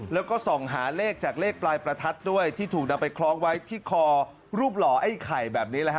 แล้วก็ส่องหาเลขจากเลขปลายประทัดด้วยที่ถูกนำไปคล้องไว้ที่คอรูปหล่อไอ้ไข่แบบนี้